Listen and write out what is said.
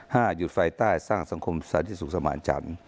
๕หยุดไฟใต้สร้างสังคมศาสตร์ที่สุขสม่านจันทร์